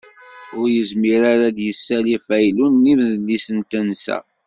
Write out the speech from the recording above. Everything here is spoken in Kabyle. Ur yezmir ara ad d-yessali afaylu n imedlis n tensa.